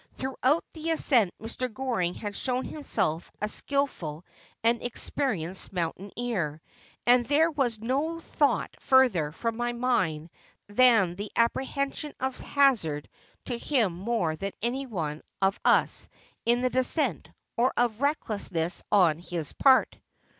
Throughout the ascent Mr. Goring had shown himself a skilful and experienced mountaineer ; and there was no thought further from my mind than the apprehension of hazard to him more than to anyone of us in the descent, or of recklessness on his part.